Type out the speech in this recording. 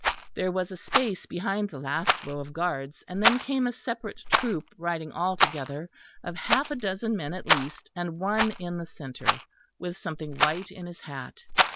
There was a space behind the last row of guards, and then came a separate troop riding all together, of half a dozen men at least, and one in the centre, with something white in his hat.